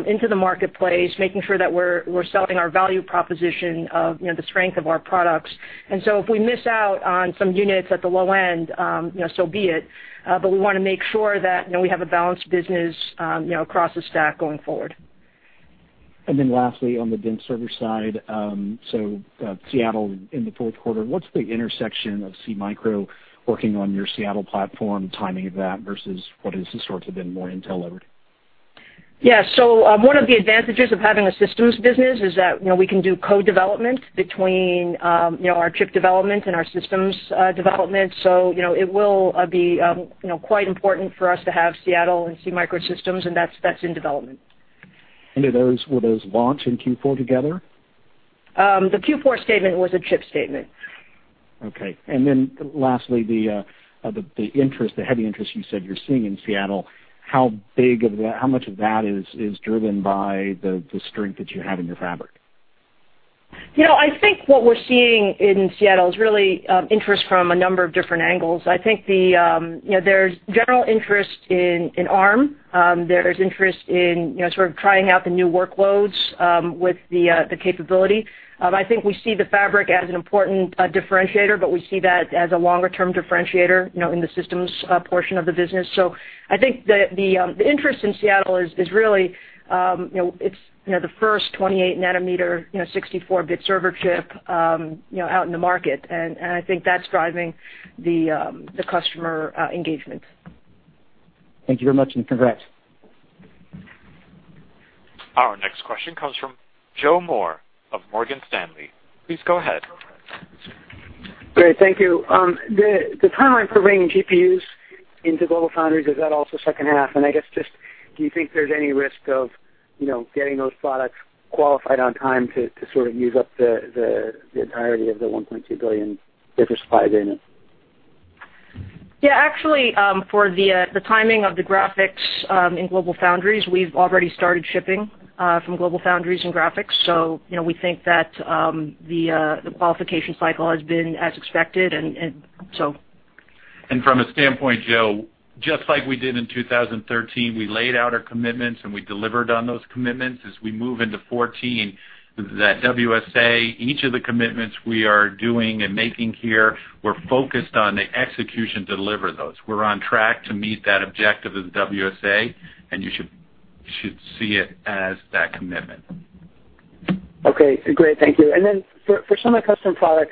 into the marketplace, making sure that we're selling our value proposition of the strength of our products. If we miss out on some units at the low end, so be it, but we want to make sure that we have a balanced business across the stack going forward. Lastly, on the dense server side, so Seattle in the fourth quarter, what's the intersection of SeaMicro working on your Seattle platform, timing of that, versus what has sort of been more Intel-led? Yeah. One of the advantages of having a systems business is that we can do co-development between our chip development and our systems development. It will be quite important for us to have Seattle and SeaMicro systems, and that's in development. Will those launch in Q4 together? The Q4 statement was a chip statement. Lastly, the heavy interest you said you're seeing in Seattle, how much of that is driven by the strength that you have in your fabric? I think what we're seeing in Seattle is really interest from a number of different angles. I think there's general interest in ARM. There's interest in sort of trying out the new workloads with the capability. I think we see the fabric as an important differentiator, we see that as a longer-term differentiator in the systems portion of the business. I think the interest in Seattle is really, it's the first 28-nanometer, 64-bit server chip out in the market, I think that's driving the customer engagement. Thank you very much, congrats. Our next question comes from Joseph Moore of Morgan Stanley. Please go ahead. Great. Thank you. I guess just do you think there's any risk of getting those products qualified on time to sort of use up the entirety of the $1.2 billion wafer supply agreement? Yeah. Actually, for the timing of the graphics in GlobalFoundries, we've already started shipping from GlobalFoundries in graphics. We think that the qualification cycle has been as expected. From a standpoint, Joe, just like we did in 2013, we laid out our commitments, and we delivered on those commitments. As we move into 2014, that WSA, each of the commitments we are doing and making here, we're focused on the execution to deliver those. We're on track to meet that objective of the WSA, and you should see it as that commitment. Okay. Great. Thank you. For semi-custom products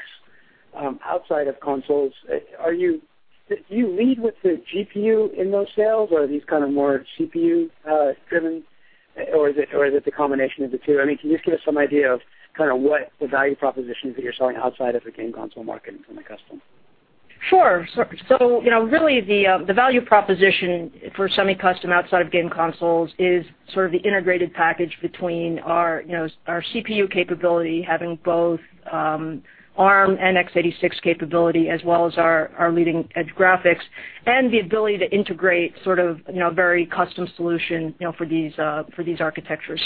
outside of consoles, do you lead with the GPU in those sales, or are these kind of more CPU-driven, or is it the combination of the two? Can you just give us some idea of kind of what the value propositions that you're selling outside of the game console market in semi-custom? Sure. Really the value proposition for semi-custom outside of game consoles is sort of the integrated package between our CPU capability, having both ARM and x86 capability, as well as our leading-edge graphics, and the ability to integrate sort of very custom solution for these architectures.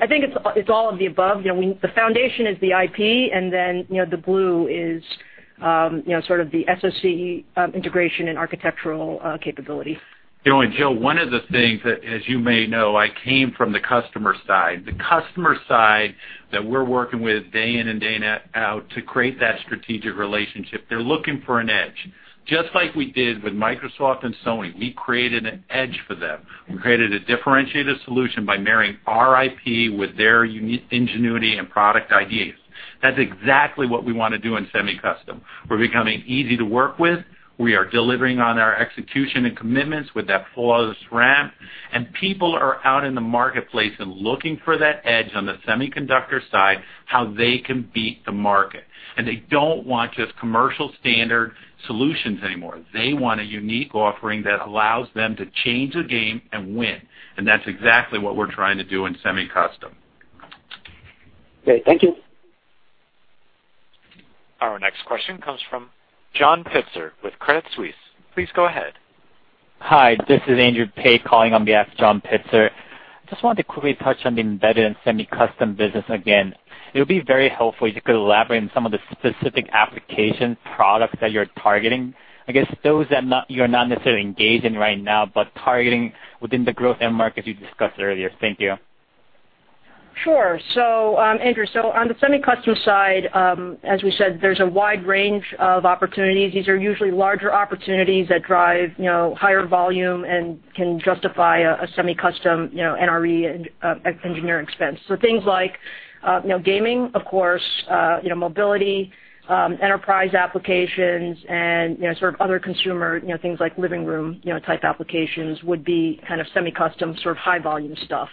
I think it's all of the above. The foundation is the IP, and then the glue is sort of the SoC integration and architectural capability. Joe, one of the things that, as you may know, I came from the customer side, the customer side that we're working with day in and day out to create that strategic relationship. They're looking for an edge. Just like we did with Microsoft and Sony, we created an edge for them. We created a differentiated solution by marrying our IP with their unique ingenuity and product ideas. That's exactly what we want to do in semi-custom. We're becoming easy to work with. We are delivering on our execution and commitments with that flawless ramp, and people are out in the marketplace and looking for that edge on the semiconductor side, how they can beat the market, and they don't want just commercial standard solutions anymore. They want a unique offering that allows them to change the game and win, that's exactly what we're trying to do in semi-custom. Great. Thank you. Our next question comes from John Pitzer with Credit Suisse. Please go ahead. Hi. This is Andrew Pae calling on behalf of John Pitzer. I just wanted to quickly touch on the embedded and semi-custom business again. It would be very helpful if you could elaborate on some of the specific application products that you're targeting, I guess those that you're not necessarily engaged in right now, but targeting within the growth end markets you discussed earlier. Thank you. Sure. Andrew, on the semi-custom side, as we said, there's a wide range of opportunities. These are usually larger opportunities that drive higher volume and can justify a semi-custom NRE engineer expense. Things like gaming, of course, mobility, enterprise applications, and sort of other consumer things like living room type applications would be semi-custom, sort of high volume stuff.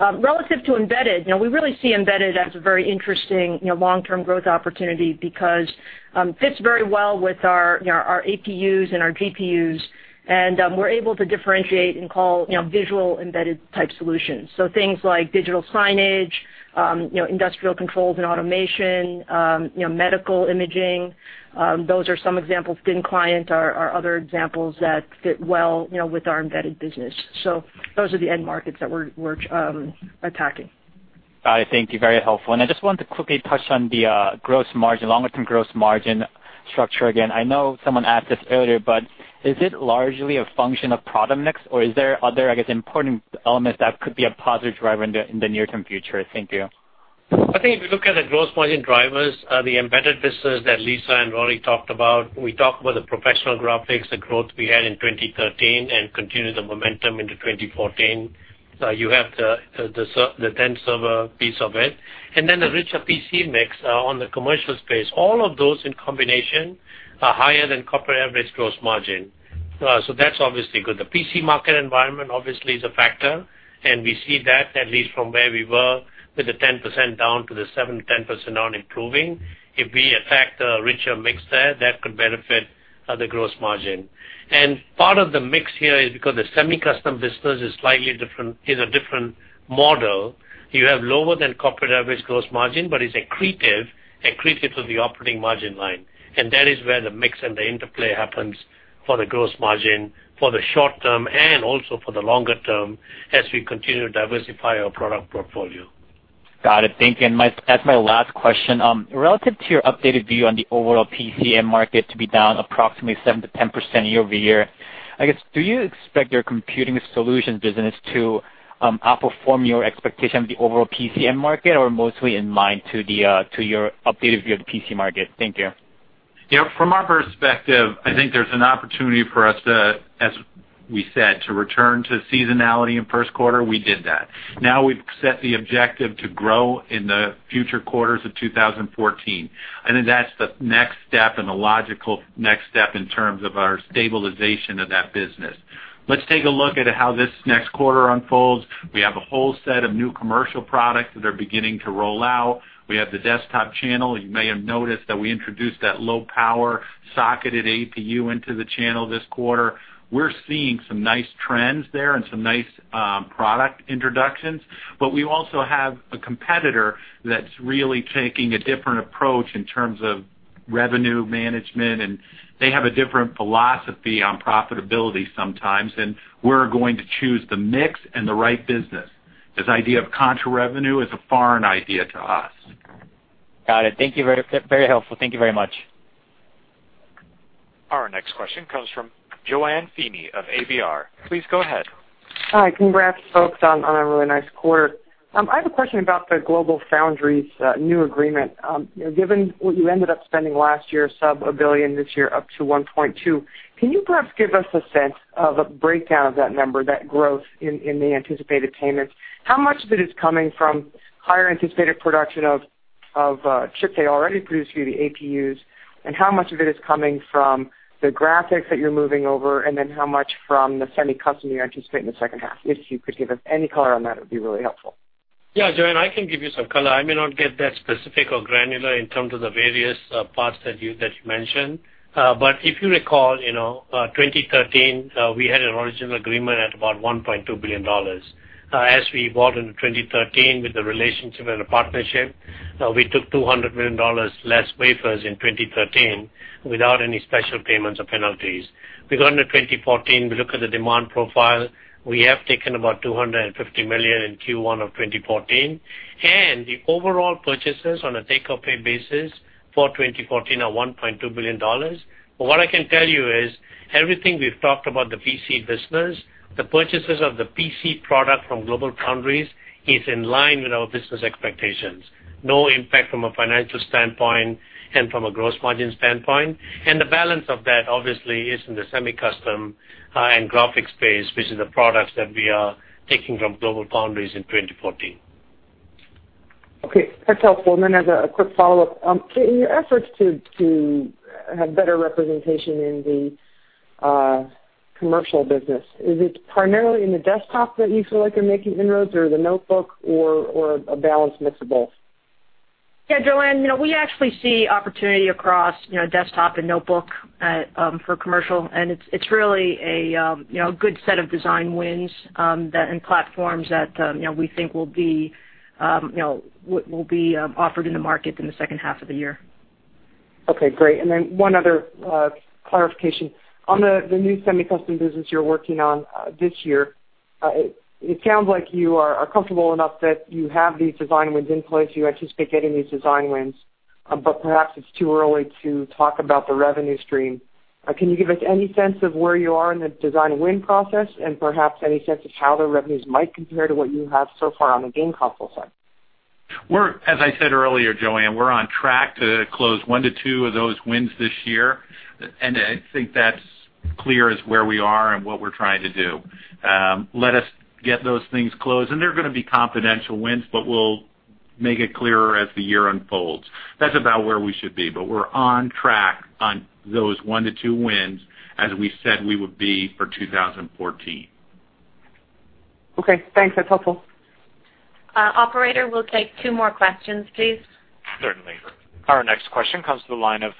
Relative to embedded, we really see embedded as a very interesting long-term growth opportunity because it fits very well with our APUs and our GPUs, and we're able to differentiate and call visual embedded type solutions. Things like digital signage, industrial controls and automation, medical imaging, those are some examples. Thin clients are other examples that fit well with our embedded business. Those are the end markets that we're attacking. Got it. Thank you. Very helpful. I just wanted to quickly touch on the longer-term gross margin structure again. I know someone asked this earlier, but is it largely a function of product mix or are there other, I guess, important elements that could be a positive driver in the near-term future? Thank you. I think if you look at the gross margin drivers, the embedded business that Lisa and Rory talked about, we talked about the professional graphics, the growth we had in 2013, and continuing the momentum into 2014. You have the dense server piece of it, then the richer PC mix on the commercial space. All of those in combination are higher than corporate average gross margin. That's obviously good. The PC market environment obviously is a factor, and we see that at least from where we were, with the 10% down to the 7%-10% now improving. If we attract a richer mix there, that could benefit the gross margin. Part of the mix here is because the semi-custom business is a different model. You have lower than corporate average gross margin, but it's accretive to the operating margin line. That is where the mix and the interplay happens for the gross margin for the short term and also for the longer term as we continue to diversify our product portfolio. Got it. Thank you. That's my last question. Relative to your updated view on the overall PC market to be down approximately 7%-10% year-over-year, I guess, do you expect your computing solutions business to outperform your expectation of the overall PC market or mostly in line to your updated view of the PC market? Thank you. From our perspective, I think there's an opportunity for us, as we said, to return to seasonality in first quarter. We did that. Now we've set the objective to grow in the future quarters of 2014. I think that's the next step, the logical next step in terms of our stabilization of that business. Let's take a look at how this next quarter unfolds. We have a whole set of new commercial products that are beginning to roll out. We have the desktop channel. You may have noticed that we introduced that low power socketed APU into the channel this quarter. We're seeing some nice trends there and some nice product introductions. We also have a competitor that's really taking a different approach in terms of revenue management. They have a different philosophy on profitability sometimes. We're going to choose the mix and the right business. This idea of contra revenue is a foreign idea to us. Got it. Thank you. Very helpful. Thank you very much. Our next question comes from JoAnne Feeney of ABR. Please go ahead. Hi. Congrats, folks, on a really nice quarter. I have a question about the GlobalFoundries new agreement. Given what you ended up spending last year, sub $1 billion, this year up to $1.2 billion, can you perhaps give us a sense of a breakdown of that number, that growth in the anticipated payments? How much of it is coming from higher anticipated production of chips they already produce for you, the APUs, and how much of it is coming from the graphics that you're moving over, and then how much from the semi-custom you anticipate in the second half? If you could give us any color on that, it would be really helpful. Yeah, JoAnne, I can give you some color. I may not get that specific or granular in terms of the various parts that you mentioned. If you recall, 2013, we had an original agreement at about $1.2 billion. As we evolved into 2013 with the relationship and the partnership, we took $200 million less wafers in 2013 without any special payments or penalties. We go into 2014, we look at the demand profile, we have taken about $250 million in Q1 of 2014, and the overall purchases on a take-or-pay basis for 2014 are $1.2 billion. What I can tell you is everything we've talked about the PC business, the purchases of the PC product from GlobalFoundries is in line with our business expectations. No impact from a financial standpoint and from a gross margin standpoint. The balance of that obviously is in the semi-custom and graphics space, which is the products that we are taking from GlobalFoundries in 2014. Okay, that's helpful. As a quick follow-up, in your efforts to have better representation in the commercial business, is it primarily in the desktop that you feel like you're making inroads or the notebook or a balanced mix of both? Yeah, JoAnne, we actually see opportunity across desktop and notebook for commercial, and it's really a good set of design wins and platforms that we think will be offered in the market in the second half of the year. Okay, great. One other clarification. On the new semi-custom business you're working on this year, it sounds like you are comfortable enough that you have these design wins in place. You anticipate getting these design wins, but perhaps it's too early to talk about the revenue stream. Can you give us any sense of where you are in the design win process and perhaps any sense of how the revenues might compare to what you have so far on the game console side? As I said earlier, JoAnne, we're on track to close one to two of those wins this year, and I think that's clear as where we are and what we're trying to do. Let us get those things closed, and they're going to be confidential wins, but we'll make it clearer as the year unfolds. That's about where we should be, but we're on track on those one to two wins as we said we would be for 2014. Okay, thanks. That's helpful. Operator, we'll take two more questions, please. Certainly. Our next question comes to the line of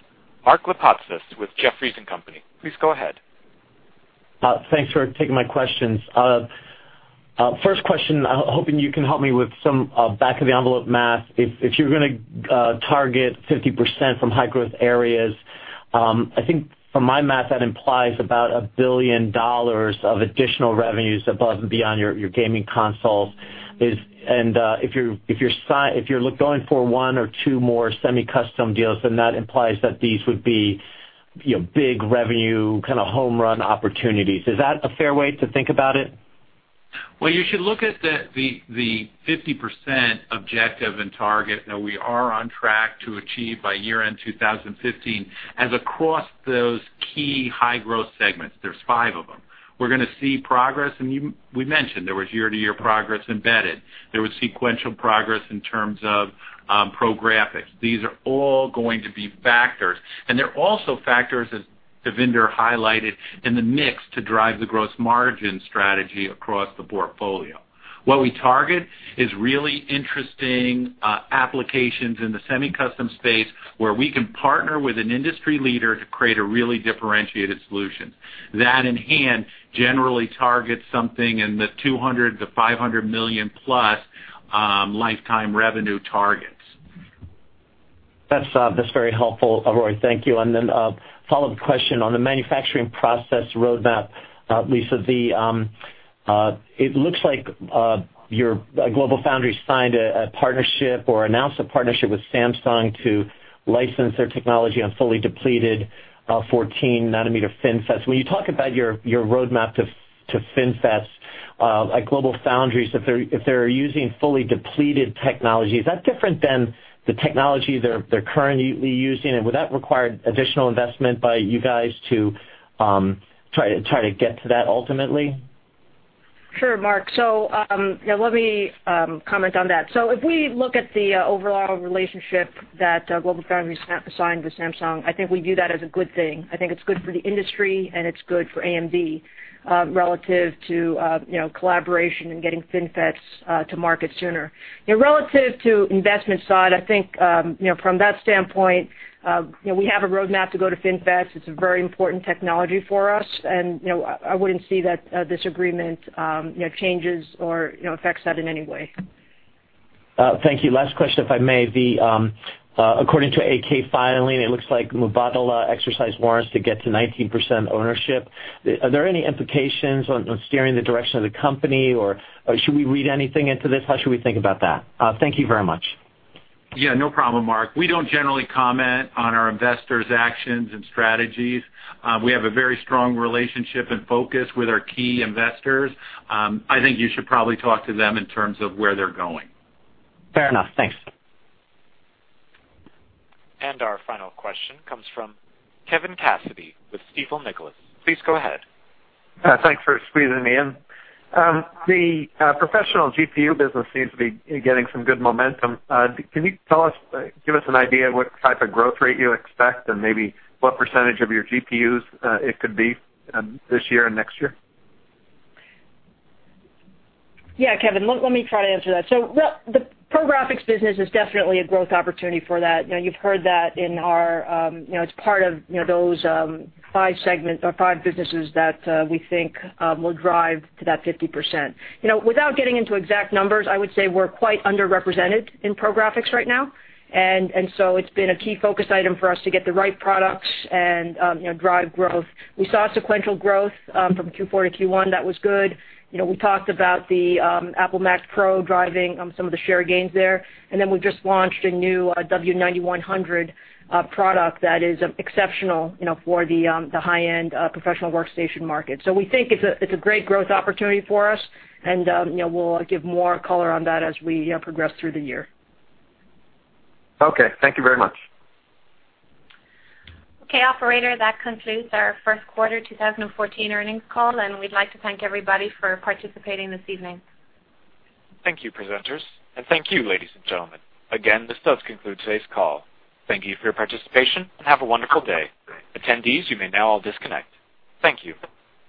Mark Lipacis with Jefferies & Company. Please go ahead. Thanks for taking my questions. First question, I'm hoping you can help me with some back-of-the-envelope math. If you're going to target 50% from high-growth areas, I think from my math, that implies about $1 billion of additional revenues above and beyond your gaming consoles. If you're going for one or two more semi-custom deals, that implies that these would be big revenue home run opportunities. Is that a fair way to think about it? Well, you should look at the 50% objective and target that we are on track to achieve by year-end 2015 as across those key high-growth segments. There's five of them. We're going to see progress, and we mentioned there was year-to-year progress embedded. There was sequential progress in terms of pro graphics. These are all going to be factors, and they're also factors that Devinder highlighted in the mix to drive the gross margin strategy across the portfolio. What we target is really interesting applications in the semi-custom space where we can partner with an industry leader to create a really differentiated solution. That in hand generally targets something in the $200 million-$500 million-plus lifetime revenue targets. That's very helpful, Rory. Thank you. Then a follow-up question on the manufacturing process roadmap. Lisa, it looks like GlobalFoundries signed a partnership or announced a partnership with Samsung to license their technology on fully depleted 14-nanometer FinFETs. When you talk about your roadmap to FinFETs at GlobalFoundries, if they're using fully depleted technology, is that different than the technology they're currently using, and would that require additional investment by you guys to try to get to that ultimately? Sure, Mark. Let me comment on that. If we look at the overall relationship that GlobalFoundries signed with Samsung, I think we view that as a good thing. I think it's good for the industry and it's good for AMD relative to collaboration and getting FinFETs to market sooner. Relative to investment side, I think from that standpoint, we have a roadmap to go to FinFETs. It's a very important technology for us, and I wouldn't see that this agreement changes or affects that in any way. Thank you. Last question, if I may. According to 8-K filing, it looks like Mubadala exercised warrants to get to 19% ownership. Are there any implications on steering the direction of the company, or should we read anything into this? How should we think about that? Thank you very much. Yeah, no problem, Mark. We don't generally comment on our investors' actions and strategies. We have a very strong relationship and focus with our key investors. I think you should probably talk to them in terms of where they're going. Fair enough. Thanks. Our final question comes from Kevin Cassidy with Stifel Nicolaus. Please go ahead. Thanks for squeezing me in. The professional GPU business seems to be getting some good momentum. Can you give us an idea of what type of growth rate you expect and maybe what % of your GPUs it could be this year and next year? Yeah, Kevin. Let me try to answer that. The pro graphics business is definitely a growth opportunity for that. You've heard that it's part of those five segments or five businesses that we think will drive to that 50%. Without getting into exact numbers, I would say we're quite underrepresented in pro graphics right now. It's been a key focus item for us to get the right products and drive growth. We saw sequential growth from Q4 to Q1. That was good. We talked about the Apple Mac Pro driving some of the share gains there. Then we've just launched a new W9100 product that is exceptional for the high-end professional workstation market. We think it's a great growth opportunity for us, and we'll give more color on that as we progress through the year. Okay. Thank you very much. Okay. Operator, that concludes our first quarter 2014 earnings call, we'd like to thank everybody for participating this evening. Thank you, presenters, and thank you, ladies and gentlemen. Again, this does conclude today's call. Thank you for your participation and have a wonderful day. Attendees, you may now all disconnect. Thank you.